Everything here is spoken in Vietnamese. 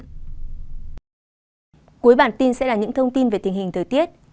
cuối bản tin sẽ là những thông tin về tình hình thời tiết